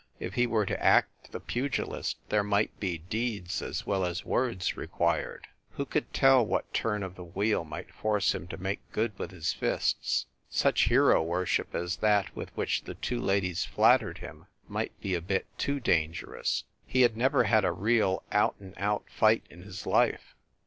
If he were to act the pugilist there might be deeds as well as words re quired. Who could tell what turn of the wheel might force him to make good with his fists? Such hero worship as that with which the two ladies flat tered him might be a bit too dangerous. He had never had a real, out and out fight in his life